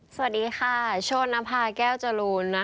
สวัสดีค่ะโชธนภาแก้วจรูน